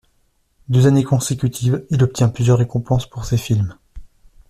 Deux années consécutives, il obtient plusieurs récompenses pour ses films.